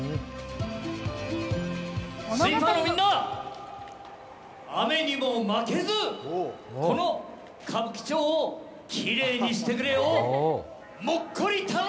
スイーパーのみんな、雨にも負けず、この歌舞伎町をきれいにしてくれよ！